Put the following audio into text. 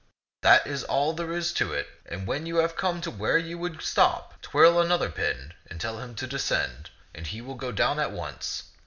That is all there is to it. And when you have come to where you would stop, twirl another pin and tell him to descend, and he will go down at once.